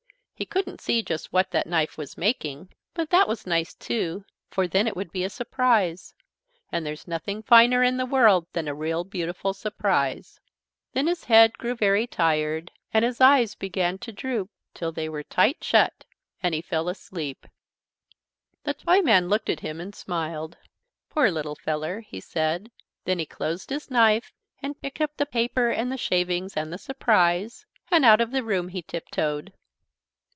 He couldn't see just what that knife was making. But that was nice, too, for then it would be a surprise. And there's nothing finer in the world than a real, beautiful surprise. Then his head grew very tired, and his eyes began to droop till they were tight shut and he fell asleep. The Toyman looked at him and smiled. "Poor little feller!" he said. Then he closed his knife, and picked up the paper and the shavings and the surprise, and out of the room he tiptoed.